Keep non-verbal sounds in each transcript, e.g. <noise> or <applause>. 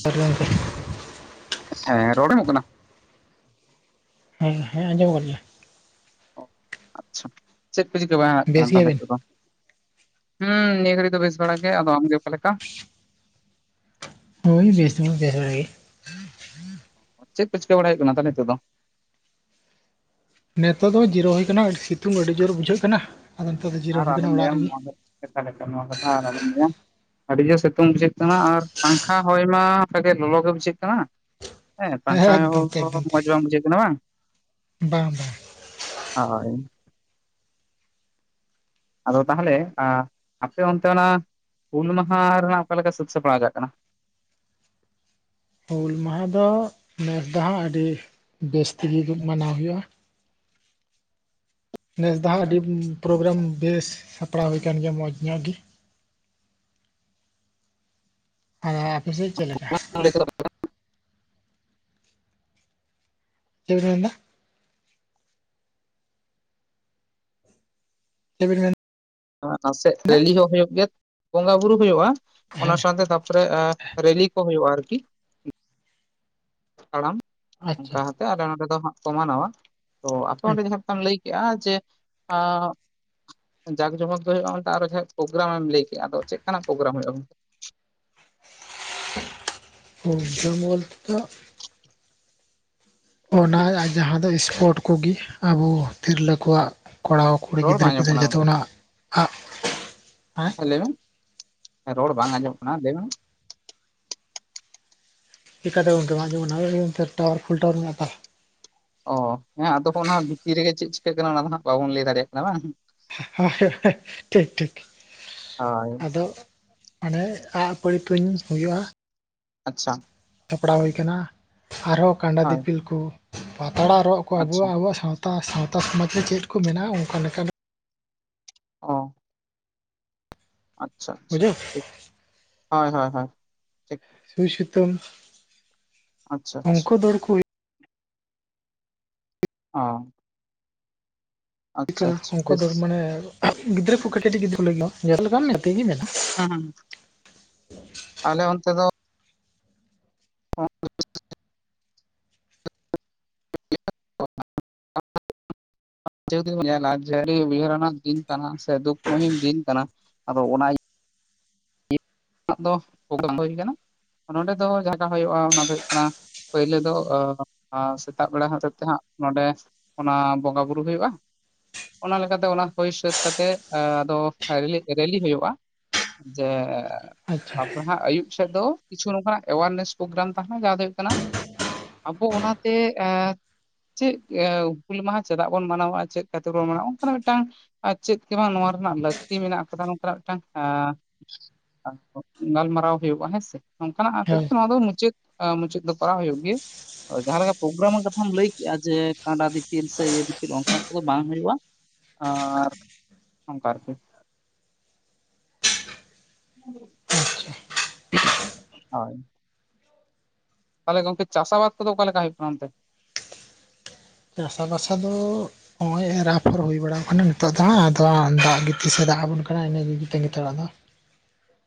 ᱥᱟᱨ <inaudible> ᱫᱝ <inaudible> ᱥᱟᱨ <inaudible> ᱦᱮᱸ ᱨᱚᱲ ᱟᱡᱚᱢᱚᱜ ᱠᱟᱱᱟ ᱦᱮᱸ ᱦᱮᱸ ᱟᱸᱡᱚᱢ ᱚᱜ ᱠᱟᱱ ᱜᱮᱭᱟ ᱚ ᱟᱪᱪᱷᱟ ᱪᱮᱫ ᱠᱚ ᱪᱤᱠᱟᱹ ᱵᱟᱭ <inaudible> ᱦᱟᱜ ᱵᱮᱥ ᱠᱟᱱᱟ ᱛᱟᱦᱞᱮ ᱜᱮᱭᱟᱵᱤᱱ? ᱱᱤᱛᱳᱜ ᱫᱚ ᱦᱩᱸ ᱱᱤᱭᱟᱹ ᱜᱷᱟᱲᱤ ᱫᱚ ᱵᱮᱥ ᱵᱟᱲᱟ ᱜᱮ ᱟᱫᱚ ᱟᱢᱜᱮ ᱚᱠᱟ ᱞᱮᱠᱟ ᱦᱳᱭ ᱵᱮᱥ ᱵᱮᱥ ᱵᱟᱲᱟ ᱜᱮ ᱪᱮᱫ ᱠᱚ ᱪᱤᱠᱟᱹ ᱵᱟᱲᱟᱭ ᱦᱩᱭᱩᱜ ᱠᱟᱱᱟ ᱛᱚ ᱱᱤᱛᱚᱜ ᱫᱚ ᱱᱮᱛᱚᱜ ᱫᱚ ᱡᱤᱨᱟᱹᱣ ᱦᱩᱭ ᱟᱠᱟᱱᱟ ᱥᱤᱛᱩᱝ ᱟᱹᱰᱤ ᱡᱳᱨ ᱵᱩᱡᱷᱟᱹᱜ ᱠᱟᱱᱟ ᱟᱫᱚ ᱱᱤᱛᱚᱜ ᱫᱚ ᱡᱤᱨᱟᱹ ᱦᱩ ᱟᱠᱟᱱᱟ ᱚᱲᱟᱜ ᱨᱮᱜᱮ ᱪᱛᱷᱟ <unintelligible> ᱛᱟᱦᱚᱞᱮ ᱠᱷᱟᱱ ᱱᱚᱣᱟ ᱠᱟᱛᱟᱨᱭᱟ <inaudible> ᱟᱹᱰᱤ ᱡᱳᱨ ᱥᱤᱛᱩᱝ ᱵᱩᱡᱷᱟᱹᱜ ᱠᱟᱱᱟ ᱟᱨ ᱯᱟᱝᱠᱷᱟ ᱦᱚᱭ ᱢᱟ ᱥᱟᱜᱮ ᱞᱚᱞᱚᱜ ᱜᱮ ᱵᱩᱡᱷᱟᱹᱜ ᱠᱟᱱᱟ ᱦᱮᱸ ᱯᱟᱝᱠᱷᱟ ᱮᱠᱫᱚᱢ ᱦᱚᱭ ᱛᱮ ᱮᱠᱫᱚᱢ ᱛᱮ ᱢᱚᱸᱡᱽ ᱵᱟᱝ ᱵᱩᱡᱷᱟᱹᱜ ᱠᱟᱱᱟ ᱵᱟᱝ ᱵᱟᱝ ᱵᱟᱝ ᱦᱳᱭ ᱟᱫᱚ ᱛᱟᱦᱚᱞᱮ ᱟᱯᱮ ᱚᱱᱛᱮ ᱚᱱᱟ ᱦᱩᱞ ᱢᱟᱦᱟ ᱨᱮᱱᱟᱜ ᱚᱠᱟ ᱞᱮᱠᱟ ᱥᱟᱹᱛ ᱥᱟᱯᱲᱟᱣ ᱪᱟᱜ ᱠᱟᱱᱟ ᱦᱩᱞ ᱢᱟᱦᱟ ᱫᱚ ᱱᱮᱥ ᱫᱚ ᱦᱟᱜ ᱟᱹᱰᱤ ᱵᱮᱥ ᱛᱮᱜᱮ ᱢᱟᱱᱟᱣ ᱦᱩᱭᱩᱜᱼᱟ ᱱᱮᱥ ᱫᱚ ᱦᱟᱸᱜ ᱟᱹᱰᱤ ᱯᱨᱳᱜᱨᱟᱢ ᱵᱮᱥ ᱥᱟᱯᱲᱟᱣ ᱦᱩᱭ ᱟᱠᱟᱱ ᱜᱮᱭᱟ ᱢᱚᱸᱡᱽ ᱧᱚᱜ ᱜᱮ ᱟ <unintelligible> ᱟᱯᱮ ᱥᱮᱫ ᱪᱮᱫ ᱞᱮᱠᱟ ᱪᱮᱫ ᱨᱮᱱᱟᱜ ᱪᱮᱜ ᱵᱤᱱᱢᱮᱱ <unintelligible> ᱱᱟᱥᱮ ᱨᱮᱞᱤ ᱦᱚᱸ ᱦᱩᱭᱩᱜ ᱜᱮᱭᱟ ᱵᱚᱸᱜᱟ ᱵᱩᱨᱩ ᱦᱩᱭᱩᱜᱼᱟ ᱚᱱᱟ ᱦᱮᱸ ᱥᱟᱶᱛᱮ ᱛᱟᱨᱯᱚᱨᱮ ᱨᱮᱞᱤ ᱠᱚ ᱦᱩᱭᱩᱜᱼᱟ ᱟᱨᱠᱤ ᱛᱟᱲᱟᱢ ᱟᱪᱪᱷᱟ ᱚᱱᱠᱟ ᱦᱟᱛᱚ ᱟᱞᱮ ᱱᱚᱸᱰᱮ ᱫᱚ ᱦᱟᱸᱜ ᱥᱚᱢᱟᱱ ᱱᱚᱼᱟ ᱛᱚ ᱟᱯᱮ ᱚᱸᱰᱮ ᱟᱪᱪᱷᱟ᱾ ᱡᱟᱦᱟᱸ ᱞᱮᱠᱟᱢ ᱞᱟᱹᱭ ᱠᱮᱜ-ᱟ ᱡᱮ ᱟᱸ ᱡᱟᱠ ᱡᱚᱢᱚᱠ ᱫᱚ ᱦᱩᱭᱩᱜᱼᱟ ᱚᱱᱛᱮ ᱟᱨᱚ ᱡᱟᱦᱟᱸ ᱯᱨᱳᱜᱨᱟᱢ ᱮᱢ ᱞᱟᱹᱭ ᱠᱮᱫ-ᱟ ᱟᱫᱚ ᱪᱮᱫ ᱞᱮᱠᱟᱱᱟᱜ ᱯᱨᱳᱜᱨᱟᱢ ᱦᱩᱭᱩᱜᱼᱟ ᱜᱚᱢᱠᱮ <unintelligible> ᱚᱱᱟ ᱡᱟᱦᱟ ᱫᱚ ᱤᱥᱯᱳᱴ ᱠᱚᱜᱮ ᱟᱵᱚ ᱛᱤᱨᱞᱟᱹ ᱠᱚᱣᱟᱜ ᱠᱚᱨᱟᱣ ᱠᱩᱲᱤ ᱨᱚᱲ ᱵᱟᱝ ᱜᱤᱫᱽᱨᱟᱹ ᱟᱸᱡᱚᱢᱚᱜ ᱯᱤᱫᱽᱨᱟᱹ ᱠᱟᱱᱟ ᱡᱚᱛᱚ ᱜᱚᱝᱠᱮ ᱚᱱᱟ <unintelligible> ᱦᱮᱸ ᱞᱟᱹᱭ ᱢᱮ ᱨᱚᱲ ᱵᱟᱝ ᱟᱸᱡᱚᱢ ᱠᱟᱱᱟ ᱞᱟᱹᱭ ᱢᱮ ᱪᱮᱜᱠᱟ ᱪᱚ ᱜᱚᱢᱠᱮ ᱵᱟᱝᱟᱡᱢᱚᱜ ᱠᱟᱱᱟ.. <unintelligible> ᱚ ᱦᱮᱸ ᱟᱫᱚ ᱚᱱᱟ ᱵᱷᱤᱛᱤᱨ ᱨᱮᱜᱮ ᱪᱮᱫ ᱪᱤᱠᱟᱹᱜ ᱠᱟᱱᱟ ᱚᱱᱟ ᱫᱚ ᱦᱟᱸᱜ ᱵᱟᱵᱚᱱ ᱞᱟᱹᱭ ᱫᱟᱲᱮᱭᱟᱜ ᱠᱟᱱᱟ ᱵᱟᱝ <unintelligible> ᱴᱷᱤᱠ ᱴᱷᱤᱠ ᱦᱳᱭ ᱟᱫᱚ ᱢᱟᱱᱮ ᱟᱸᱜ ᱯᱟᱹᱲ ᱛᱩᱧ ᱦᱩᱭᱩᱜᱼᱟ ᱟᱪᱪᱷᱟ ᱥᱟᱯᱲᱟᱣ ᱦᱩᱭ ᱟᱠᱟᱱᱟ ᱟᱨᱦᱚᱸ ᱠᱟᱸᱰᱟ ᱦᱳᱭ ᱫᱤᱯᱤᱞ ᱠᱚ ᱯᱟᱛᱟᱲᱟ ᱨᱚᱜ ᱠᱚ ᱟᱪᱪᱷᱟ ᱟᱵᱚᱣᱟᱜ ᱟᱵᱚᱣᱟᱜ ᱥᱟᱶ ᱥᱟᱶᱛᱟ ᱥᱚᱢᱟᱡᱽ ᱨᱮ ᱪᱮᱫ ᱠᱚ ᱢᱮᱱᱟᱜᱼᱟ ᱚᱱᱠᱟ ᱞᱮᱠᱟᱱᱟᱜ ᱚᱸ ᱟᱪᱪᱷᱟ ᱟᱪᱪᱷᱟ ᱵᱩᱡᱷᱟᱹᱣ ᱴᱷᱤᱠ ᱦᱚᱭ ᱦᱚᱭ ᱦᱚᱭ ᱥᱩᱭ ᱥᱩᱛᱟᱹᱢ ᱟᱪᱪᱷᱟ ᱟᱪᱪᱷᱟ ᱚᱝᱠᱚ ᱫᱟᱹᱲ ᱠᱩᱭᱤᱡ ᱚᱸ ᱟᱪᱪᱷᱟ ᱟᱱᱠᱟ ᱵᱮᱥ ᱫᱚ ᱢᱟᱱᱮ ᱜᱤᱫᱽᱨᱟᱹ ᱠᱚ ᱠᱟᱹᱴᱤᱡ ᱠᱟᱹᱴᱤᱡ <unintelligible> ᱜᱤᱫᱽᱨ ᱠᱚ ᱞᱟᱹᱭᱟ ᱵᱟᱢ ᱧᱮᱞᱟᱠᱟᱜᱠᱚ ᱤᱧᱤᱧ ᱧᱮᱞᱟᱠᱟᱜ ᱠᱚ ᱦᱮᱸᱦᱮᱸ ᱟᱞᱮ ᱚᱱᱛᱮ ᱫᱚ ᱚ <unintelligible> <unintelligible> ᱪᱮᱫ ᱮᱢ ᱧᱮᱞᱟ ᱡᱮ <unintelligible> ᱫᱤᱱ ᱠᱟᱱᱟ ᱥᱮ ᱫᱩᱠ ᱢᱩᱦᱤᱢ ᱫᱤᱱ ᱠᱟᱱᱟ ᱟᱫᱚ ᱚᱱᱟ ᱟᱫᱚ <unintelligible> ᱦᱩᱭ ᱠᱟᱱᱟ ᱱᱚᱰᱮ ᱫᱚ ᱞᱟᱜᱚᱣ ᱦᱩᱭᱩᱜᱼᱟ ᱚᱱᱟ ᱫᱚ ᱦᱩᱭᱩᱜ ᱠᱟᱱᱟ ᱯᱩᱭᱞᱩ ᱫᱚ ᱚᱸ ᱟᱸ ᱥᱮᱛᱟᱜ ᱵᱮᱲᱟ ᱦᱚᱛᱮᱫ ᱛᱮ ᱦᱟᱸᱜ ᱱᱚᱰᱮ ᱚᱱᱟ ᱵᱚᱸᱜᱟ ᱵᱩᱨᱩ ᱦᱩᱭᱩᱜᱼᱟ ᱚᱱᱟ ᱞᱮᱠᱟᱛᱮ ᱚᱱᱟ ᱦᱩᱭ ᱥᱟᱹᱛ ᱠᱟᱛᱮᱫ ᱟᱫᱚ ᱚᱸ ᱨᱮᱞᱤ ᱨᱮᱞᱤ ᱦᱩᱭᱩᱜᱼᱟ ᱡᱮ ᱟᱪᱪᱷᱟ ᱱᱟᱦᱟᱜ ᱟᱹᱭᱩᱵ ᱥᱮᱫ ᱫᱚ ᱠᱤᱪᱷᱩ ᱱᱚᱝᱠᱟᱱᱟᱜ ᱮᱣᱟᱨᱱᱮᱥ ᱯᱨᱳᱜᱨᱟᱢ ᱛᱟᱦᱮᱱᱟ ᱡᱟᱦᱟᱸ ᱫᱚ ᱦᱩᱭᱩᱜ ᱠᱟᱱᱟ ᱟᱵᱚ ᱚᱱᱟᱛᱮ ᱮᱸᱻ ᱪᱮᱫ ᱚᱸ ᱦᱩᱞ ᱢᱟᱦᱟ ᱪᱮᱫᱟᱜ ᱵᱚᱱ ᱢᱟᱱᱟᱣᱟ ᱪᱮᱫ ᱠᱷᱟᱹᱛᱤᱨ ᱵᱚᱱ ᱢᱟᱱᱟᱣᱟ ᱚᱱᱠᱟᱱᱟᱜ ᱢᱤᱫᱴᱟᱝ ᱟᱨ ᱪᱮᱫ ᱜᱮ ᱵᱟᱝ ᱱᱚᱣᱟ ᱨᱮᱱᱟᱜ ᱞᱟᱹᱠᱛᱤ ᱢᱮᱱᱟᱜ ᱠᱟᱫᱟ ᱱᱚᱝᱠᱟᱱᱟᱜ ᱢᱤᱫᱴᱟᱝ ᱮᱸ <unintelligible> ᱜᱟᱞᱢᱟᱨᱟᱣ ᱦᱩᱭᱩᱜᱼᱟ ᱦᱮᱸᱥᱮᱸ ᱱᱚᱝᱠᱟᱱᱟᱜ ᱦᱟᱛᱮᱡ ᱛᱮ ᱦᱳᱭ ᱱᱚᱣᱟ ᱫᱚ ᱢᱩᱪᱟᱹᱫ ᱢᱩᱪᱟᱹᱫ ᱫᱚ ᱠᱚᱨᱟᱣ ᱦᱩᱭᱩᱜ ᱜᱮ ᱡᱟᱦᱟᱸᱞᱮᱠᱟ ᱯᱨᱳᱜᱨᱟᱢ ᱠᱟᱛᱷᱟᱢ ᱞᱟᱹᱭ ᱠᱮᱫᱼᱟ ᱡᱮ ᱠᱟᱸᱰᱟ ᱫᱤᱯᱤᱞ ᱥᱮ ᱤᱭᱟᱹ ᱫᱤᱯᱤᱞ ᱚᱱᱠᱟᱱᱟᱜ ᱠᱚᱫᱚ ᱵᱟᱝ ᱦᱩᱭᱩᱜᱼᱟ ᱟᱨ ᱚᱱᱠᱟ ᱟᱨᱠᱤ <unintelligible> ᱟᱪᱪᱷᱟ ᱦᱚᱭ ᱛᱟᱦᱚᱞᱮ ᱜᱚᱢᱠᱮ ᱪᱟᱥ-ᱟᱵᱟᱫ ᱠᱚᱫᱚ ᱚᱠᱟ ᱞᱮᱠᱟ ᱦᱩᱭᱩᱜ ᱠᱟᱱᱟ ᱚᱱᱛᱮ ᱪᱟᱥᱟᱵᱟᱥᱟ ᱫᱚ ᱱᱚᱜ-ᱚᱭ ᱮᱨ-ᱟᱯᱷᱚᱨ ᱦᱩᱭ ᱵᱟᱲᱟᱣ ᱟᱠᱟᱱᱟ ᱱᱤᱛᱚᱜ ᱫᱚ ᱦᱟᱸᱜ ᱟᱫᱚ ᱦᱟᱸᱜ ᱫᱟᱜ-ᱜᱮ ᱛᱤᱥᱮ ᱫᱟᱜ ᱟᱵᱚᱱ ᱠᱟᱱᱟ ᱤᱱᱟᱹᱜᱮ ᱛᱟᱜᱤ ᱛᱟᱲᱟᱜ ᱫᱚ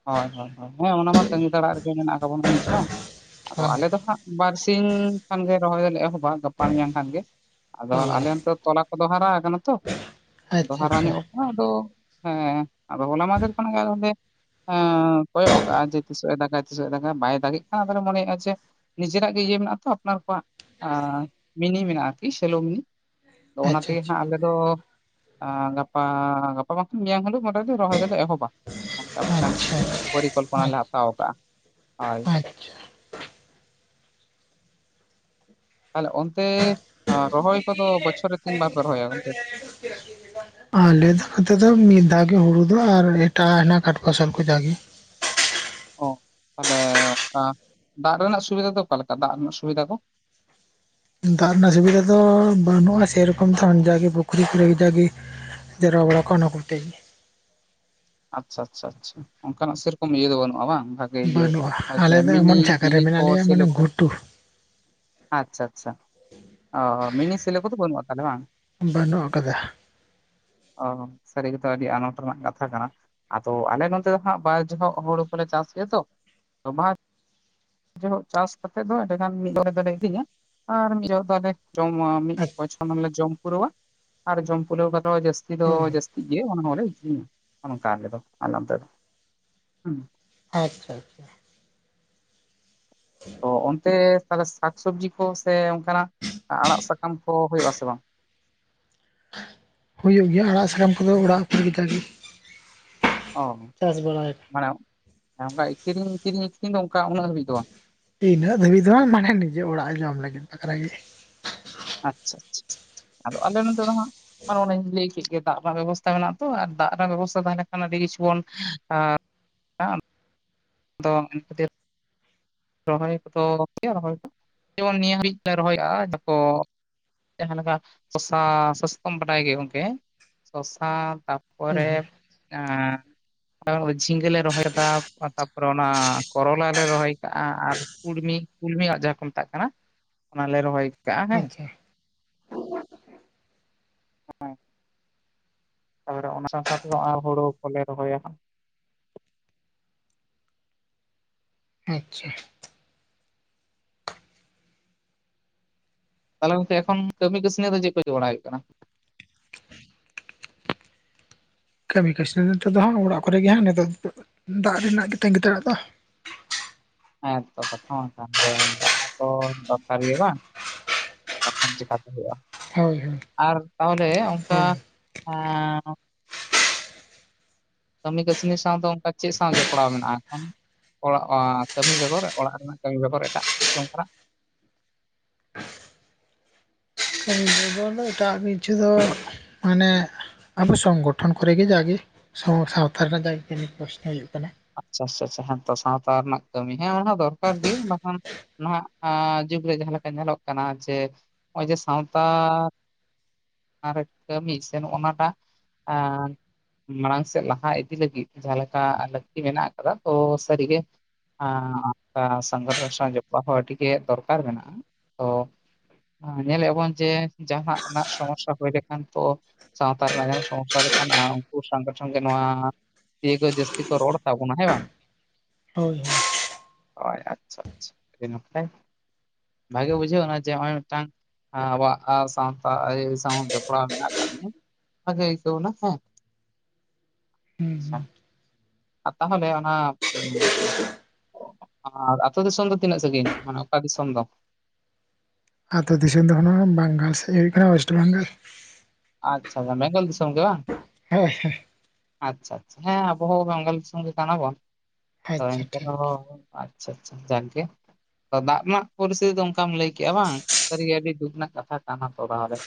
ᱦᱚᱭ ᱦᱚᱭ ᱦᱚᱭ ᱦᱮᱸ ᱚᱱᱟᱢᱟ ᱛᱟᱺᱝᱜᱤ ᱛᱟᱲᱟᱜ ᱨᱮᱜᱮ ᱢᱮᱱᱟᱜ ᱠᱟᱜ ᱵᱚᱱᱟ ᱱᱤᱡ ᱦᱚᱸ ᱟᱫᱚ ᱦᱳᱭ ᱟᱞᱮ ᱫᱚ ᱦᱟᱸᱜ ᱵᱟᱨᱥᱤᱧ ᱠᱷᱟᱱᱜᱮ ᱨᱚᱦᱚᱭ ᱫᱚᱞᱮ ᱮᱦᱚᱵᱚᱜᱼᱟ ᱜᱟᱯᱟ ᱢᱮᱭᱟᱝ ᱠᱷᱟᱱᱜᱮ ᱟᱫᱚ ᱟᱞᱮ ᱵᱟᱵᱟᱨᱮ ᱱᱚᱛᱮ ᱛᱚᱞᱟ ᱠᱚᱫᱚ ᱦᱟᱨᱟ ᱠᱟᱱᱟ ᱛᱚ᱾ ᱟᱫᱚ ᱟᱪᱪᱷᱟ ᱦᱟᱨᱟ ᱟᱪᱪᱷᱟ ᱧᱚᱜ ᱠᱟᱱᱟ ᱟᱫᱚ ᱦᱮᱸ ᱟᱫᱚ ᱦᱚᱞᱟ ᱢᱟᱦᱫᱷᱮᱨ ᱠᱷᱚᱱᱟᱜ ᱜᱮ ᱮᱸ ᱠᱚᱭᱚᱜ ᱠᱟᱜᱼᱟ ᱡᱮ ᱛᱤᱥᱚᱜ ᱮ ᱫᱟᱜᱟᱭ ᱛᱤᱥᱚᱜ ᱮ ᱫᱟᱜᱟᱭ ᱵᱟᱭ ᱫᱟᱜᱮᱫ ᱠᱷᱟᱱ ᱟᱫᱚᱞᱮ ᱢᱚᱱᱮᱭᱮᱜᱼᱟ ᱞᱮ ᱡᱮ ᱱᱤᱡᱮᱨᱟᱜ ᱜᱮ ᱤᱭᱟᱹ ᱢᱮᱱᱟᱜ ᱛᱚ ᱟᱯᱱᱟᱨ ᱠᱚᱣᱟᱜ ᱢᱤᱱᱤ ᱢᱮᱱᱟᱜᱼᱟ ᱟᱨᱠᱤ ᱥᱮᱞᱳ ᱢᱤᱱᱤ᱾ ᱛᱚ ᱚᱱᱟ ᱟᱪᱪᱷᱟ ᱛᱮᱜᱮ ᱦᱟᱸᱜ ᱟᱞᱮ ᱫᱚ ᱜᱟᱯᱟ ᱜᱟᱯᱟ ᱵᱟᱝᱠᱷᱟᱱ ᱢᱮᱭᱟᱝ ᱦᱤᱞᱳᱜ ᱢᱚᱴᱟᱢᱩᱴᱤ ᱨᱚᱦᱚᱭ ᱫᱚᱞᱮ ᱮᱦᱚᱵᱟ ᱚᱱᱠᱟ ᱢᱤᱫᱴᱟᱝ ᱟᱪᱪᱷᱟ ᱯᱚᱨᱤᱠᱚᱞᱯᱚᱱᱟ ᱟᱪᱪᱷᱟ ᱞᱮ ᱦᱟᱛᱟᱣ ᱠᱟᱜᱼᱟ ᱦᱳᱭ᱾ ᱟᱪᱪᱷᱟ ᱛᱟᱦᱚᱞᱮ ᱚᱱᱛᱮ ᱨᱚᱦᱚᱭ ᱠᱚᱫᱚ ᱵᱚᱪᱷᱚᱨ ᱨᱮ ᱛᱤᱱ ᱵᱟᱨ ᱯᱮ ᱨᱚᱦᱚᱭᱟ ᱜᱚᱝᱠᱮ? ᱟᱞᱮ ᱫᱚ ᱱᱚᱛᱮ ᱫᱚ ᱢᱤᱫ ᱫᱷᱟᱣ ᱜᱮ ᱦᱩᱲᱩ ᱫᱚ, ᱟᱨ ᱮᱴᱟᱜ ᱦᱮᱱᱟᱜ ᱠᱟᱴ ᱯᱷᱚᱥᱚᱞ ᱠᱚ ᱡᱟᱜᱮ᱾ ᱚ ᱛᱟᱦᱚᱞᱮ ᱚᱱᱠᱟ ᱫᱟᱜ ᱨᱮᱱᱟᱜ ᱥᱩᱵᱤᱫᱟ ᱫᱚ ᱚᱠᱟᱞᱮᱠᱟ, ᱫᱟᱜ ᱨᱮᱱᱟᱜ ᱥᱩᱵᱤᱫᱷᱟ ᱫᱚ? ᱫᱟᱜ ᱨᱮᱱᱟᱜ ᱥᱩᱵᱤᱫᱷᱟ ᱫᱚ ᱵᱟᱹᱱᱩᱜᱼᱟ ᱥᱮᱨᱚᱠᱚᱢ ᱫᱚ ᱡᱟᱜᱮ ᱯᱩᱠᱷᱨᱤ ᱠᱚᱨᱮ ᱡᱟᱜᱮ᱾ ᱡᱟᱣᱨᱟ ᱵᱟᱲᱟ ᱠᱚᱜᱼᱟ ᱚᱱᱟ ᱠᱚᱛᱮ ᱜᱮ᱾ ᱟᱪᱪᱷᱟᱻ ᱟᱪᱪᱷᱟᱻ ᱟᱪᱪᱷᱟᱻ ᱚᱱᱠᱟᱱᱟᱜ ᱥᱮᱨᱚᱠᱚᱢ ᱤᱭᱟᱹ ᱫᱚ ᱵᱟᱹᱱᱩᱜᱼᱟ ᱵᱟᱝ? ᱡᱮ ᱤᱭᱟᱹ ᱵᱟᱹᱱᱩᱜᱼᱟ ᱡᱮ ᱟᱞᱮ ᱢᱤᱱᱤ ᱫᱚ ᱮᱢᱚᱱ ᱡᱟᱭᱜᱟ ᱨᱮ ᱢᱤᱱᱤ-ᱢᱤᱱᱤ ᱠᱚ ᱢᱮᱱᱟᱜ ᱞᱮᱭᱟ ᱥᱮᱞᱳ ᱢᱟᱱᱮ ᱠᱚ,? ᱜᱷᱩᱴᱩ ᱟᱪᱪᱷᱟᱻ ᱟᱪᱪᱷᱟᱻ, ᱚ ᱢᱤᱱᱤ ᱥᱮᱞᱳ ᱠᱚᱫᱚ ᱵᱟᱹᱱᱩᱜᱼᱟ ᱛᱟᱦᱚᱞᱮ ᱵᱟᱝ? ᱵᱟᱹᱱᱩᱜ ᱟᱠᱟᱫᱟ᱾ ᱚ ᱥᱟᱹᱨᱤ ᱜᱮᱛᱚ ᱟᱹᱰᱤ ᱟᱱᱟᱴ ᱨᱮᱱᱟᱜ ᱠᱟᱛᱷᱟ ᱠᱟᱱᱟ᱾ ᱟᱫᱚ ᱟᱞᱮ ᱱᱚᱛᱮ ᱫᱚ ᱦᱟᱸᱜ ᱵᱟᱨ ᱡᱚᱦᱚᱜ ᱦᱳᱲᱳ ᱠᱚᱞᱮ ᱪᱟᱥ ᱜᱮᱭᱟ ᱛᱚ ᱟᱫᱚ ᱢᱟ ᱡᱚᱦᱚᱜ ᱪᱟᱥ ᱠᱟᱛᱮᱫ ᱫᱚ ᱟᱹᱰᱤᱸ ᱜᱟᱱ ᱢᱤᱫ ᱦᱚᱲ ᱫᱚᱞᱮ ᱤᱫᱤᱧᱟ ᱟᱨ ᱢᱤᱫ ᱡᱚᱦᱚᱜ ᱫᱚ ᱞᱮ ᱡᱚᱢᱼᱟ ᱢᱤᱫ ᱦᱳᱭ ᱵᱚᱪᱷᱚᱨ ᱞᱮ ᱡᱚᱢ ᱯᱩᱨᱟᱹᱣᱟ, ᱟᱨ ᱡᱚᱢ ᱯᱩᱨᱟᱹᱣ ᱠᱟᱛᱮ ᱡᱟᱹᱥᱛᱤ ᱫᱚ ᱦᱳᱭ ᱡᱟᱹᱥᱛᱤ ᱤᱭᱟᱹᱚᱞᱮ ᱟᱠᱟᱟᱨᱤᱞ ᱟᱞᱛᱮ ᱦᱸ <unintelligible> ᱟᱪᱪᱷᱟᱻ ᱟᱪᱪᱷᱟᱻ᱾ ᱛᱚ ᱚᱱᱛᱮ ᱛᱟᱦᱚᱞᱮ ᱥᱟᱠ ᱥᱚᱵᱡᱤ ᱠᱚ ᱥᱮ ᱚᱱᱠᱟᱱᱟᱜ ᱟᱲᱟᱜ ᱥᱟᱠᱟᱢ ᱠᱚ ᱦᱳᱭᱳᱜ ᱟᱥᱮ ᱵᱟᱝ? ᱦᱳᱭᱳᱜ ᱜᱮᱭᱟ ᱟᱲᱟᱜ ᱥᱟᱠᱟᱢ ᱠᱚᱫᱚ ᱚᱲᱟᱜ ᱩᱛᱩ ᱞᱮᱠᱟᱜᱮ᱾ ᱚ ᱢᱟᱱᱮ ᱚᱱᱠᱟ ᱠᱤᱨᱤᱧ ᱠᱤᱨᱤᱧ ᱟᱹᱠᱷᱨᱤᱧ ᱫᱚ ᱚᱱᱠᱟ ᱩᱱᱟᱹᱜ ᱦᱟᱹᱵᱤᱡ ᱫᱚ ᱵᱟᱝ? ᱤᱱᱟᱹᱜ ᱫᱷᱟᱹᱵᱤᱡ ᱫᱚ ᱵᱟᱝ, ᱢᱟᱱᱮ ᱱᱤᱡᱮ ᱚᱲᱟᱜ ᱡᱚᱢ ᱞᱟᱹᱜᱤᱫ ᱵᱟᱠᱷᱨᱟ ᱜᱮ᱾ ᱟᱪᱪᱷᱟᱻ ᱟᱪᱪᱷᱟᱻ ᱟᱫᱚ ᱟᱞᱮ ᱱᱚᱛᱮ ᱫᱚ ᱦᱟᱸᱜ ᱟᱨ ᱚᱱᱟᱧ ᱞᱟᱹᱭ ᱠᱮᱫ ᱜᱮ ᱫᱟᱜ ᱨᱮᱱᱟᱜ ᱵᱮᱵᱚᱥᱛᱷᱟ ᱢᱮᱱᱟᱜᱼᱟ, ᱛᱚ ᱟᱨ ᱫᱟᱜ ᱨᱮᱱᱟᱜ ᱵᱮᱵᱚᱥᱛᱷᱟ ᱛᱟᱦᱮᱸᱞᱱᱠᱷᱟᱱ ᱟᱹᱰᱤ ᱠᱤᱪᱷᱩ ᱵᱚᱱ ᱦᱸ <unintelligible> ᱟᱫᱚ ᱤᱱᱟᱹ ᱠᱷᱟᱹᱛᱤᱨ ᱨᱚᱦᱚᱭ ᱠᱚᱫᱚ ᱨᱚᱦᱚᱭ ᱫᱚ ᱡᱮᱢᱚᱱ ᱱᱤᱭᱟᱹ ᱦᱟᱹᱵᱤᱡ ᱞᱮ ᱨᱚᱦᱚᱭᱚᱜᱼᱟ ᱡᱷᱚᱛᱚ ᱡᱟᱦᱟ ᱞᱮᱠᱟ ᱥᱚᱥᱟ ᱥᱟᱥᱟ ᱛᱚᱢ ᱵᱟᱰᱟᱭ ᱜᱮᱭᱟ ᱜᱚᱝᱠᱮ ᱥᱚᱥᱟ ᱛᱟᱯ ᱦᱳᱭ ᱯᱚᱨᱮ ᱦᱳᱭ ᱟᱸ ᱡᱷᱤᱸᱜᱟᱹ ᱞᱮ ᱨᱚᱦᱚᱭ ᱫᱟ, ᱛᱟᱯᱚᱨᱮ ᱚᱱᱟ ᱠᱚᱨᱚᱞᱟ ᱞᱮ ᱨᱚᱦᱚᱭ ᱠᱟᱜᱼᱟ, ᱟᱨ ᱠᱩᱲᱢᱤ ᱠᱩᱞᱢᱤ ᱟᱲᱟᱜ ᱡᱟᱦᱟᱸ ᱠᱚ ᱢᱮᱛᱟᱜ ᱠᱟᱱᱟ ᱚᱱᱟᱞᱮ ᱨᱚᱦᱚᱭ ᱠᱟᱜᱼᱟ ᱦᱮᱸ ᱟᱪᱪᱷᱟ ᱦᱚᱭ <unintelligible> ᱛᱟᱯᱚᱨᱮ ᱚᱱᱟ ᱥᱟᱶ ᱥᱟᱶᱛᱮ ᱦᱳᱲᱳ ᱠᱚᱞᱮ ᱨᱚᱦᱚᱭᱟ ᱦᱟᱸᱜ᱾ ᱟᱪᱪᱷᱟᱻ᱾ ᱛᱟᱦᱚᱞᱮ ᱜᱚᱝᱠᱮ ᱮᱠᱷᱚᱱ ᱠᱟᱹᱢᱤ ᱠᱟᱹᱥᱱᱤ ᱫᱚ ᱪᱮᱫ ᱠᱚ ᱪᱤᱠᱟ ᱵᱟᱲᱟᱭ ᱦᱳᱭᱳᱜ ᱠᱟᱱᱟ᱾ ᱠᱟᱹᱢᱤ ᱠᱟᱹᱥᱱᱤ ᱱᱤᱛᱚᱜ ᱫᱚ ᱦᱟᱜ ᱚᱲᱟᱜ ᱠᱚᱨᱮᱜᱮ ᱱᱤᱛᱚᱜ ᱫᱟᱜ ᱨᱮᱱᱟᱜ ᱜᱮ ᱛᱟᱸᱜᱤ ᱛᱟᱲᱟᱜ ᱫᱚ᱾ ᱦᱮᱸᱛᱚ ᱠᱟᱛᱷᱟ ᱢᱟ ᱠᱟᱱ ᱜᱮ ᱫᱟᱜ ᱦᱚᱸᱛᱚ ᱫᱚᱨᱠᱟᱨ ᱜᱮ ᱵᱟᱝ᱾ ᱵᱟᱠᱷᱟᱱ ᱪᱮᱠᱟᱛᱮ ᱦᱳᱭᱳᱜᱼᱟ ᱦᱳᱭ ᱦᱳᱭ ᱟᱨ ᱛᱟᱦᱚᱞᱮ ᱚᱱᱠᱟ ᱦᱳᱭ ᱦᱮᱸᱻ᱾ ᱠᱟᱹᱢᱤ ᱠᱟᱹᱥᱱᱤ ᱥᱟᱶ ᱫᱚ ᱚᱱᱠᱟ ᱪᱮᱫ ᱥᱟᱶ ᱡᱚᱯᱲᱟᱣ ᱢᱮᱱᱟᱜᱼᱟ ᱮᱠᱷᱚᱱ? ᱚᱲᱟᱜ ᱠᱟᱹᱢᱤ ᱵᱮᱜᱚᱨ ᱚᱲᱟᱜ ᱨᱮᱱᱟᱜ ᱠᱟᱹᱢᱤ ᱵᱮᱜᱚᱨ ᱮᱴᱟᱜ ᱠᱤᱪᱷᱩ ᱚᱱᱠᱟᱱᱟᱜ ᱠᱟᱢᱤ ᱵᱮᱜᱚᱨ ᱫᱚ ᱮᱴᱟᱜ ᱠᱤᱪᱷᱩ ᱫᱚ ᱢᱟᱱᱮ ᱟᱵᱚ ᱥᱚᱝᱜᱚᱴᱷᱚᱱ ᱠᱚᱨᱮ ᱜᱮ ᱡᱟᱜᱮ᱾ ᱥᱟᱶᱛᱟ ᱨᱮᱱᱟᱜ ᱡᱟᱜᱮ ᱱᱤᱛ ᱯᱚᱥᱱᱚ ᱦᱩᱭᱩᱜ ᱠᱟᱱᱟ᱾ ᱟᱪᱪᱷᱟᱻ ᱟᱪᱪᱷᱟᱻ ᱟᱪᱪᱷᱟᱻ ᱦᱮᱛᱚ ᱥᱟᱶᱛᱟ ᱨᱮᱱᱟᱜ ᱠᱟᱹᱢᱤ ᱦᱮᱸ ᱚᱱᱟ ᱫᱚᱨᱠᱟᱨ ᱜᱮ ᱵᱟᱝᱠᱷᱟᱱ ᱱᱟᱦᱟᱜ ᱡᱩᱜᱽᱨᱮ ᱡᱟᱦᱟᱸ ᱞᱮᱠᱟ ᱧᱮᱞᱚᱜ ᱠᱟᱱᱟ ᱡᱮ ᱱᱚᱜᱼᱚᱭ ᱡᱮ ᱥᱟᱶᱛᱟ᱾ ᱚᱱᱟ ᱠᱟᱹᱢᱤ ᱥᱮ ᱱᱚᱜ ᱱᱟᱴᱟᱜ <inaudible> ᱢᱟᱲᱟᱝ ᱥᱮᱫ ᱞᱟᱦᱟ ᱤᱫᱤ ᱞᱟᱹᱜᱤᱫ ᱡᱟᱦᱟᱸᱮ ᱞᱮᱠᱟ ᱞᱟᱹᱠᱛᱤ ᱢᱮᱱᱟᱜ ᱟᱠᱟᱫᱟ ᱛᱚ ᱥᱟᱹᱨᱤᱜᱮ ᱚᱱᱠᱟ ᱥᱟᱸᱜᱷᱟᱨᱥ ᱥᱟᱣ ᱡᱚᱯᱲᱟᱣ ᱦᱚᱸ ᱟᱹᱰᱤ ᱜᱮ ᱫᱚᱨᱠᱟᱨ ᱢᱮᱱᱟᱜᱼᱟ ᱛᱚ ᱧᱮᱞᱮᱫ ᱵᱚᱱ ᱡᱮ ᱡᱟᱦᱱᱟᱜ ᱥᱚᱢᱚᱥᱥᱟ ᱦᱩᱭ ᱞᱮᱠᱷᱟᱱ ᱛᱚ ᱥᱟᱶᱛᱟ ᱨᱮᱱᱟᱜ ᱡᱟᱦᱟᱸ ᱥᱚᱢᱚᱥᱥᱟ ᱞᱮᱠᱷᱟᱱᱟᱜ ᱩᱱᱠᱩ ᱥᱚᱝᱜᱚᱴᱷᱚᱱ ᱜᱮ ᱱᱚᱣᱟ ᱤᱭᱟᱹ ᱠᱚ ᱡᱟᱹᱥᱛᱤ ᱠᱚ ᱨᱚᱲ ᱠᱟᱜ ᱵᱚᱱᱟ ᱦᱮᱸ ᱵᱟᱝ ᱦᱳᱭ ᱦᱳᱭ ᱦᱳᱭ ᱟᱪᱪᱷᱟ ᱟᱪᱪᱷᱟ ᱟᱰᱤ ᱱᱟᱯᱟᱭ ᱵᱷᱟᱜᱮ ᱵᱩᱡᱷᱟᱹᱣ ᱮᱱᱟ ᱡᱮ ᱱᱚᱜᱼᱭ ᱢᱤᱫᱴᱟᱝ ᱦᱮᱸ ᱟᱵᱚᱣᱟᱜ ᱥᱟᱶᱛᱟ ᱥᱟᱶ ᱡᱚᱯᱲᱟᱣ ᱢᱮᱱᱟᱜ ᱟᱠᱟᱫ ᱢᱮᱭᱟ ᱵᱷᱟᱜᱮ ᱤᱠᱟᱹᱣᱱᱟ ᱦᱮᱸ ᱦᱩᱸ ᱦᱩᱸ ᱟᱨ ᱛᱟᱦᱚᱞᱮ ᱚᱱᱟ ᱟᱹᱛᱩᱳ ᱫᱤᱥᱚᱢ ᱫᱚ ᱛᱤᱱᱟᱹᱜ ᱥᱟᱺᱟᱹᱜᱤᱧ ᱢᱟᱱᱮ ᱚᱠᱟ ᱫᱤᱥᱚᱢ ᱫᱚ ᱟᱛᱩ ᱫᱤᱥᱚᱢ ᱫᱚᱠᱷ ᱦᱚᱸ ᱵᱟᱝᱜᱟᱞ ᱥᱮᱫ ᱦᱩᱭᱩᱜ ᱠᱟᱱᱟ ᱚᱭᱮᱥᱴ ᱵᱟᱝᱜᱟᱞ᱾ ᱟᱪᱪᱷᱟ ᱵᱮᱸᱜᱚᱞ ᱫᱤᱥᱚᱢ ᱜᱮ ᱵᱟᱝ ᱦᱳᱭ <inaudible> ᱟᱪᱪᱷᱟ ᱟᱪᱪᱷᱟ ᱦᱮᱸ ᱟᱵᱚᱦᱚᱸ ᱵᱟᱝᱜᱚᱞ ᱫᱤᱥᱚᱢ ᱜᱮ ᱠᱟᱱᱟᱵᱚᱱ ᱟᱫᱚ ᱟᱪᱪᱷᱟ ᱮᱱᱛᱮ ᱴᱷᱤᱠ ᱨᱮᱦᱚᱸ ᱟᱪᱪᱷᱟ ᱟᱪᱪᱷᱟ ᱡᱟᱨᱠᱮ ᱫᱟᱜ ᱨᱮᱱᱟᱜ ᱯᱚᱨᱤᱥᱛᱷᱤᱛᱤ ᱫᱚ ᱚᱱᱠᱟᱢ ᱞᱟᱹᱭ ᱠᱮᱜᱼᱟ ᱵᱟᱝ ᱥᱟᱹᱨᱤᱜᱮ ᱟᱰᱤ ᱫᱩᱠ ᱨᱮᱱᱟᱜ ᱠᱟᱛᱷᱟ ᱠᱟᱱᱟ ᱛᱚᱨᱟᱣ ᱨᱮ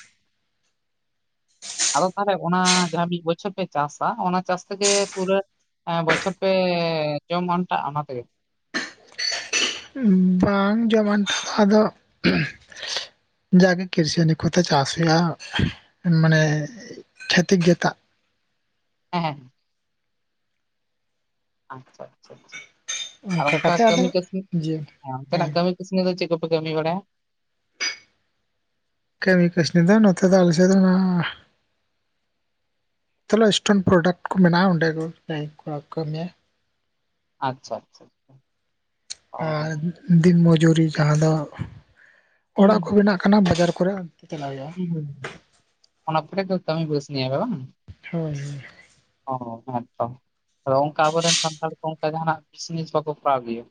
ᱟᱫᱚ ᱛᱟᱦᱚᱞᱮ ᱚᱱᱟ ᱡᱟᱦᱟᱸ ᱢᱤᱫ ᱵᱚᱪᱷᱚᱨ ᱯᱮ ᱪᱟᱥᱟ ᱚᱱᱟ ᱪᱟᱥ ᱛᱮᱜᱮ ᱯᱩᱨᱟᱹ᱾ ᱵᱚᱪᱷᱚᱨ ᱯᱮ ᱡᱚᱢ ᱟᱱᱴᱟᱜᱼᱟ ᱚᱱᱟ ᱛᱮᱜᱮ ᱵᱟᱝ ᱡᱚᱢᱟᱱ ᱟᱫᱚ ᱡᱟᱜᱮ ᱠᱨᱥᱟᱱᱤ ᱠᱚᱛᱮ ᱪᱟᱥ ᱦᱩᱭᱩᱜᱼᱟ ᱢᱟᱱᱮ ᱠᱷᱮᱛᱤᱠ ᱡᱟ. ᱛᱟᱜ ᱦᱮᱸᱸ <unintelligible> ᱟᱪᱪᱷᱟ ᱟᱪᱪᱷᱟ ᱟᱨ ᱚᱱᱠᱟ ᱠᱟᱛᱮ ᱟᱫᱚ ᱠᱟᱹᱢᱤ ᱠᱟᱹᱥᱱᱤ ᱡᱮ ᱦᱮᱸ ᱚᱱᱛᱮ ᱱᱟᱜ ᱠᱟᱹᱢᱤ ᱠᱟᱥᱱᱤ ᱫᱚ ᱪᱮᱫ ᱠᱚᱯᱮ ᱠᱟᱹᱢᱤ ᱵᱟᱲᱟᱭᱟ ᱠᱟᱢᱤ ᱠᱟᱹᱥᱱᱤ ᱫᱚ ᱱᱚᱛ ᱫᱚ ᱟᱞᱮ ᱥᱮ ᱫᱚ ᱛᱟᱦᱚᱞᱚ ᱮᱥᱴᱮᱱ ᱯᱨᱳᱰᱟᱠᱴ ᱠᱚ ᱢᱮᱱᱟᱜᱼᱟ ᱚᱸᱰᱮ ᱜᱮ ᱵᱮ ᱠᱚ ᱠᱟᱹᱢᱮᱭᱟ ᱟᱪᱪᱷᱟ ᱟᱪᱪᱷᱟ ᱟᱪᱪᱷᱟ ᱟᱨ ᱫᱤᱱ ᱢᱚᱡᱩᱨᱤ ᱡᱟᱦᱟᱸ ᱫᱚ ᱚᱲᱟᱜ ᱠᱚ ᱦᱩᱸ ᱢᱮᱱᱟᱜ᱾ ᱠᱟᱱᱟ ᱵᱟᱡᱟᱨ ᱠᱚᱨᱮ ᱚᱱᱛᱮ ᱪᱞᱟᱜ ᱦᱩᱭᱩᱜᱼᱟ <unintelligible> ᱦᱩᱸ ᱚᱱᱟ <unintelligible> ᱵᱟᱝ ᱦᱳᱭ ᱦᱳᱭ ᱚ ᱦᱮᱸ ᱛᱚ ᱟᱫᱚ ᱚᱱᱠᱟ ᱟᱵᱚᱨᱮᱱ ᱥᱟᱱᱛᱟᱲ ᱠᱚ ᱚᱱᱠᱟ ᱡᱟᱦᱟᱱᱟᱜ ᱠᱤᱥᱢᱤᱥ ᱵᱟᱠᱚ ᱠᱚᱨᱟᱣ ᱜᱮᱭᱟ᱾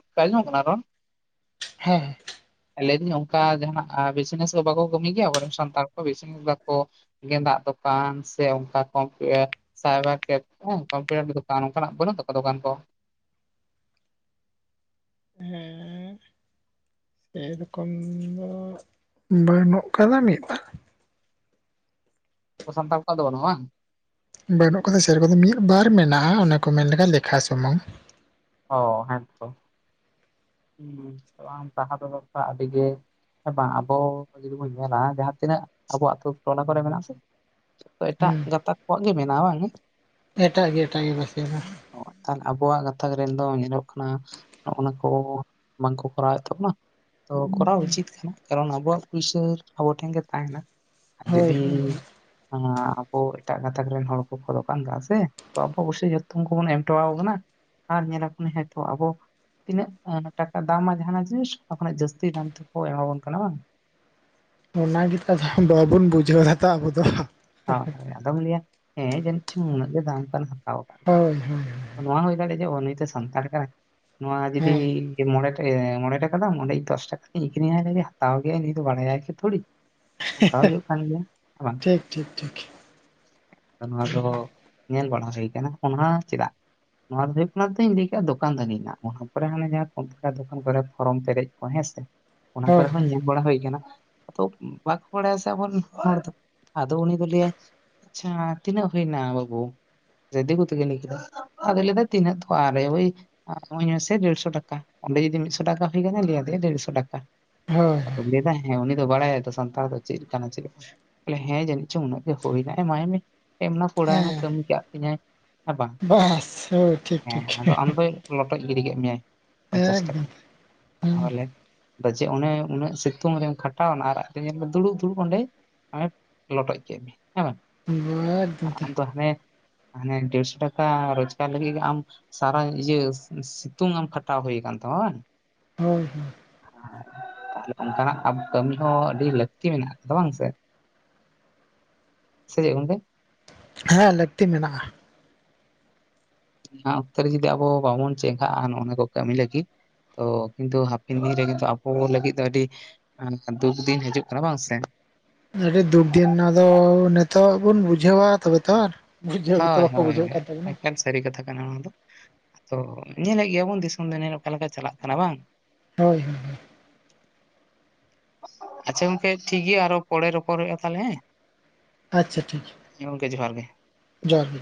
ᱚᱱᱠᱟ ᱟᱸᱡᱚᱢᱚᱜ ᱠᱟᱱᱟ ᱨᱚᱲ ᱦᱮᱸ ᱞᱟᱹᱭᱫᱟᱹᱧ ᱚᱱᱠᱟ ᱡᱟᱦᱱᱟᱜ ᱵᱤᱡᱱᱮᱥ ᱫᱚ ᱵᱟᱠᱚ ᱠᱟᱹᱢᱤ ᱜᱮᱭᱟ ᱟᱵᱚᱨᱮᱱ ᱥᱟᱱᱛᱟᱲ ᱠᱚ ᱵᱤᱡᱱᱮᱥ ᱵᱟᱠᱚ ᱜᱮᱸᱫᱟᱜ ᱫᱚᱠᱟᱱ ᱥᱮ ᱚᱱᱠᱟ ᱠᱚᱢᱯᱤᱭ ᱥᱟᱭᱵᱟᱨ ᱠᱮᱯ ᱠᱚᱢᱯᱤᱭᱩᱴᱟᱨ ᱫᱚᱠᱟᱱ ᱚᱱᱠᱟᱱᱟᱜ ᱵᱟᱹᱱᱩᱜ ᱛᱟᱠᱚᱣᱟ ᱫᱚᱠᱟᱱ ᱠᱚ ᱦᱮᱸ ᱥᱮᱨᱚᱠᱚᱢ ᱫᱚ ᱵᱟᱹᱱᱩᱜ ᱟᱠᱟᱫᱟ ᱢᱤᱫ ᱵᱟᱨ ᱥᱟᱱᱛᱟᱲ ᱠᱚᱲᱟ ᱫᱚ ᱵᱟᱱᱩᱜᱼᱟ ᱵᱟᱝ ᱵᱟᱹᱱᱩᱜ ᱠᱟᱫᱟ ᱥᱮᱨᱚᱠᱫᱚ ᱢᱤᱫ ᱵᱟᱨ ᱢᱮᱱᱟᱜᱼᱟ ᱚᱱᱟ ᱠᱚ ᱢᱮᱱ ᱞᱮᱠᱷᱟᱱ ᱞᱮᱠᱷᱟ ᱥᱩᱢᱩᱝ ᱚ ᱦᱮᱸᱛᱚ ᱦᱚᱸ ᱥᱟᱦᱟ ᱵᱮᱚᱥᱛᱷᱟ ᱟᱹᱰᱤᱜᱮ ᱦᱮᱸ ᱵᱟᱝ ᱟᱵᱚ ᱡᱩᱫᱤ ᱵᱚᱱ ᱢᱮᱞᱟ ᱡᱟᱦᱟᱸ ᱛᱤᱱᱟᱹᱜ ᱟᱵᱚᱛ ᱴᱚᱞᱟ ᱠᱚᱨᱮ ᱢᱮᱱᱟᱜ ᱥᱮ ᱮᱴᱟᱜ ᱦᱩᱸ ᱡᱚᱛᱚ ᱠᱚᱣᱟᱜ ᱜᱮ ᱢᱮᱱᱟᱜᱼᱟ ᱵᱟᱝ᱾ ᱮᱴᱟᱜ ᱜᱮ ᱮᱴᱟᱜ ᱜᱮ ᱵᱟᱥᱮ ᱫᱚ ᱛᱟᱦᱚᱞᱮ ᱟᱵᱚᱣᱟᱜ ᱜᱟᱛᱟᱠ ᱨᱮᱱ ᱫᱚ ᱧᱮᱞᱚᱜ ᱠᱟᱱᱟ ᱱᱚᱜ ᱱᱟ ᱠᱚ ᱵᱟᱝ ᱠᱚ ᱠᱚᱨᱟᱣᱮᱫ ᱛᱟᱵᱚᱱᱟ ᱛᱚ ᱠᱚᱨᱟᱣ ᱩᱪᱤᱛ ᱠᱟᱱᱟ, ᱠᱟᱨᱚᱱ ᱟᱵᱚᱣᱟᱜ ᱯᱩᱭᱥᱟᱹ ᱟᱵᱚ ᱴᱷᱮᱱ ᱜᱮ ᱛᱟᱦᱮᱱᱟ᱾ ᱦᱳᱭ ᱡᱩᱫᱤ ᱦᱳᱭ ᱟᱸᱻ ᱟᱵᱚ ᱮᱴᱟᱜ ᱜᱟᱛᱟᱠ ᱨᱮᱱ ᱦᱚᱲ ᱠᱚ ᱠᱚ ᱫᱚᱠᱟᱱ ᱠᱟᱜ-ᱟ ᱥᱮ <unintelligible> ᱡᱚᱛᱚᱢ ᱠᱚ ᱵᱚᱱ ᱮᱢ ᱴᱚᱣᱟᱠᱚ ᱠᱟᱱᱟ ᱟᱨ ᱧᱮᱞ ᱟᱵᱚᱱ ᱦᱮᱸᱛᱚ ᱟᱵᱚ ᱛᱤᱱᱟᱹᱜ ᱴᱟᱠᱟ ᱫᱟᱢ ᱢᱟ ᱡᱟᱦᱟᱸᱱᱟᱜ ᱡᱤᱱᱤᱥ ᱚᱱᱟ ᱠᱷᱚᱱᱟᱜ ᱡᱟᱹᱥᱛᱤ ᱫᱟᱢ ᱛᱮᱠᱚ ᱮᱢᱟ ᱵᱚᱱ ᱠᱟᱱᱟ ᱵᱟᱝ᱾ ᱚᱱᱟ ᱜᱮᱛᱚ ᱵᱷᱟ ᱵᱚᱱ ᱵᱩᱡᱷᱟᱹᱣ ᱠᱟᱛᱷᱟ ᱟᱵᱚ ᱫᱚ᱾ ᱦᱚᱸ ᱟᱫᱚᱢ ᱞᱟᱹᱭᱟ ᱦᱮᱸ ᱡᱟᱹᱱᱤᱡ ᱪᱚᱸ ᱩᱱᱟᱹᱜ ᱜᱮ ᱫᱟᱢ ᱠᱟᱱᱟ ᱦᱟᱛᱟᱣ ᱠᱟᱜ ᱦᱳᱭ ᱦᱳᱭ ᱦᱳᱭ᱾ ᱱᱚᱣᱟ ᱦᱩᱭ ᱫᱟᱲᱮᱭᱟᱜ-ᱟ ᱡᱮ ᱚ ᱱᱩᱭ ᱫᱚ ᱥᱟᱱᱛᱟᱲ ᱠᱟᱱᱟᱭ᱾ ᱱᱚᱣᱟ ᱡᱩᱫᱤ ᱦᱮᱸ ᱠᱤ ᱢᱚᱬᱮᱴ ᱮ ᱢᱚᱬᱮ ᱴᱟᱠᱟ ᱫᱟᱢ᱾ ᱚᱸᱰᱮ ᱤᱧ ᱫᱚᱥ ᱴᱟᱠᱟ ᱛᱮᱧ ᱟᱹᱠᱷᱨᱤᱧᱟᱭ ᱨᱮᱜᱮ ᱦᱟᱛᱟᱣ ᱜᱮᱭᱟᱭ᱾ ᱱᱩᱭ ᱫᱚ ᱵᱟᱲᱟᱭᱟᱭ ᱠᱤ ᱛᱷᱚᱲᱤ᱾ ᱦᱮ ᱚᱱᱠᱟ ᱦᱮ ᱦᱩᱭᱩᱜ ᱠᱟᱱ ᱜᱮᱭᱟ ᱦᱮᱸ ᱵᱟᱝ ᱴᱷᱤᱠ ᱴᱷᱤᱠ ᱴᱷᱤᱠ᱾ ᱱᱚᱣᱟ ᱫᱚ ᱧᱮᱞ ᱵᱟᱲᱟ ᱦᱩᱭ ᱟᱠᱟᱱᱟ ᱚᱱᱦᱟᱸ ᱪᱮᱫᱟᱜ? ᱱᱚᱶᱟ ᱫᱚ ᱦᱩᱭᱩᱜ ᱠᱟᱱᱟ ᱛᱟᱹᱧ <unintelligible> ᱫᱚᱠᱟᱱ ᱫᱟᱹᱱᱤ ᱢᱮᱱᱟᱜ ᱵᱚᱱᱟ᱾ ᱚᱱᱟ ᱯᱚᱨᱮ ᱚᱱᱮ ᱡᱟᱦᱟᱸ ᱠᱚᱢᱯᱤᱭᱩᱴᱟᱨ ᱫᱚᱠᱟᱱ ᱠᱚᱨᱮ ᱯᱷᱚᱨᱚᱢ ᱯᱮᱨᱮᱡ ᱠᱚ ᱦᱮᱸ ᱥᱮ᱾ ᱚᱱᱟ ᱠᱚᱨᱮ ᱦᱳᱭ ᱦᱚᱸ ᱧᱮᱞ ᱵᱟᱲᱟ ᱦᱩᱭ ᱟᱠᱟᱱᱟ᱾ ᱟᱫᱚ ᱵᱟᱠᱚ ᱵᱟᱲᱟᱭᱟ ᱥᱮ ᱟᱵᱚ ᱨᱮᱱ ᱦᱚᱲ ᱫᱚ᱾ ᱟᱫᱚ ᱩᱱᱤ ᱫᱚ‌ ᱞᱟᱹᱭᱟᱭ ᱟᱪᱪᱷᱟ ᱛᱤᱱᱟᱹᱜ ᱦᱩᱭ ᱮᱱᱟ ᱵᱟᱹᱵᱩ᱾ ᱫᱤᱠᱩ ᱛᱮᱜᱮ ᱞᱟᱹᱭ ᱠᱮᱫᱟ? ᱟᱫᱚᱭ ᱞᱟᱹᱭ ᱮᱫᱟᱭ ᱛᱤᱱᱟᱹᱜ ᱛᱷᱚ ᱟᱨᱮ ᱵᱷᱟᱹᱭ ᱮᱢᱟᱹᱧ ᱢᱮᱥᱮ ᱰᱮᱲᱥᱚ ᱴᱟᱠᱟ᱾ ᱚᱸᱰᱮ ᱡᱩᱫᱤ ᱢᱤᱫ ᱥᱚ ᱴᱟᱠᱟ ᱦᱩᱭ ᱟᱠᱟᱱᱟ, ᱞᱟᱹᱭᱟ ᱟᱫᱮᱭᱟᱭ ᱰᱮᱲᱥᱚ ᱴᱟᱠᱟ᱾ ᱦᱳᱭ᱾ ᱞᱟᱹᱭ ᱮᱫᱟᱭ ᱦᱮᱸ ᱩᱱᱤ ᱫᱚ ᱵᱟᱲᱟᱭᱟ ᱛᱚ ᱥᱟᱱᱛᱟᱲ ᱫᱚ ᱪᱮᱫ ᱞᱮᱠᱟᱱᱟ ᱪᱮᱫ ᱵᱚᱞᱮ ᱦᱮᱸ ᱡᱟᱹᱱᱤᱡ ᱪᱚᱝ ᱩᱱᱟᱹᱜ ᱜᱮ ᱦᱩᱭ ᱮᱱᱟ ᱮᱢᱟᱭ ᱢᱮ᱾ ᱮᱢ ᱱᱟᱯᱚᱲ ᱟᱭ ᱢᱮ ᱦᱮᱸ ᱠᱟᱹᱢᱤ ᱠᱟᱜ ᱛᱤᱧᱟᱭ᱾ ᱦᱮᱸ ᱵᱟ᱾ ᱵᱟᱥ ᱦᱳᱭ ᱴᱷᱤᱠ ᱦᱮᱸ ᱴᱷᱤᱠ ᱟᱫᱚ ᱟᱢ ᱫᱚᱭ ᱞᱚᱴᱚᱡ ᱜᱤᱰᱤ ᱠᱮᱫ ᱢᱮᱭᱟᱭ ᱯᱚᱧᱪᱟᱥ ᱴᱟᱠᱟ᱾ ᱮᱠᱫᱚᱢ ᱛᱟᱦᱚᱞᱮ ᱵᱟᱪᱮ ᱚᱱᱮ ᱩᱱᱟᱹᱜ ᱥᱤᱛᱩᱝ ᱨᱮᱢ ᱠᱷᱟᱴᱟᱣᱮᱱᱟ ᱟᱨ ᱟᱹᱠᱷᱨᱤᱧᱟ ᱠᱚ ᱫᱩᱲᱩᱵ ᱫᱩᱲᱩᱵ ᱚᱸᱰᱮ ᱞᱚᱴᱚᱡ ᱠᱮᱫ ᱢᱮ᱾ ᱦᱮᱸ᱾ ᱟᱨ ᱮᱠᱫᱚᱢ ᱟᱢ ᱴᱷᱤᱠ ᱫᱚ ᱦᱟᱱᱮ ᱦᱟᱱᱮ ᱰᱮᱲᱥᱚ ᱴᱟᱠᱟ ᱨᱳᱡᱽᱜᱟᱨ ᱞᱟᱹᱜᱤᱫ ᱜᱮ ᱟᱢ ᱥᱟᱨᱟ ᱤᱭᱟᱹ ᱥᱤᱛᱩᱝ ᱟᱢ ᱠᱷᱟᱴᱟᱣ ᱦᱩᱭ ᱟᱠᱟᱱ ᱛᱟᱢᱟ ᱵᱟᱝ? <unintelligible> ᱛᱟᱦᱚᱞᱮ ᱚᱱᱠᱟᱱᱟᱜ ᱟᱯ ᱠᱟᱹᱢᱤ ᱦᱚᱸ ᱟᱹᱰᱤ ᱞᱟᱹᱠᱛᱤ ᱢᱮᱱᱟᱜ-ᱟ ᱥᱮ ᱵᱟᱝ ᱥᱮ? ᱥᱮ <unintelligible> ᱦᱮᱸ ᱞᱟᱹᱠᱛᱤ ᱢᱮᱱᱟᱜ-ᱟ᱾ ᱱᱚᱶᱟ ᱚᱠᱛᱮ ᱨᱮ ᱡᱩᱫᱤ ᱟᱵᱚ ᱵᱟᱵᱚᱱ ᱪᱮᱸᱜᱷᱟᱜ-ᱟ ᱱᱚᱜ-ᱚ ᱱᱚᱶᱟ ᱠᱚ ᱠᱟᱹᱢᱤ ᱞᱟᱹᱜᱤᱫ ᱛᱚ ᱠᱤᱱᱛᱩ ᱦᱟᱹᱯᱤᱱ ᱫᱤᱱ ᱨᱮ ᱠᱤᱱᱛᱩ ᱟᱵᱚ ᱞᱟᱹᱜᱤᱫ ᱫᱚ ᱟᱹᱰᱤ <unintelligible> ᱫᱩᱠ ᱫᱤᱱ ᱦᱤᱡᱩᱜ ᱠᱟᱱᱟ ᱵᱟᱝ ᱥᱮ? ᱟᱹᱰᱤ ᱫᱩᱠ ᱫᱤᱱ ᱚᱱᱟ ᱫᱚ ᱱᱤᱛᱚᱜ ᱵᱚᱱ ᱵᱩᱡᱷᱟᱹᱣᱟ ᱛᱚᱵᱮ ᱛᱚ ᱾ ᱵᱩᱡᱷᱟᱹᱣ ᱜᱮᱛᱚ ᱦᱳᱭ ᱵᱟᱠᱚ ᱦᱳᱭ ᱵᱩᱡᱷᱟᱹᱜ ᱦᱳᱭ ᱠᱟᱱ ᱛᱟᱵᱚᱱᱟ᱾ ᱮᱠᱟᱞ ᱥᱟᱹᱨᱤ ᱠᱟᱛᱷᱟ ᱠᱟᱱᱟ ᱚᱱᱟ ᱫᱚ ᱟᱫᱚ᱾ ᱛᱚ ᱧᱮᱞᱮᱫ ᱜᱮᱭᱟ ᱵᱚᱱ ᱫᱤᱥᱚᱢ ᱫᱩᱱᱤᱭᱟᱹ ᱨᱮ ᱚᱠᱟ ᱞᱮᱠᱟ ᱪᱟᱞᱟᱜ ᱠᱟᱱᱟ ᱵᱟᱝ? <unintelligible> ᱟᱪᱪᱷᱟ ᱜᱚᱢᱠᱮ ᱴᱷᱤᱠ ᱜᱮᱭᱟ ᱟᱨᱦᱚᱸ ᱯᱚᱲᱮ ᱨᱚᱯᱚᱲ ᱦᱩᱭᱩᱜ-ᱟ ᱛᱟᱦᱞᱮ ᱦᱮᱸ᱾ ᱟᱪᱪᱷᱟ ᱴᱷᱤᱠ ᱜᱮᱭᱟ᱾ ᱦᱮᱸ ᱜᱚᱝᱠᱮ ᱡᱚᱦᱟᱨ ᱜᱮ᱾ ᱡᱚᱦᱟᱨ ᱜᱮ᱾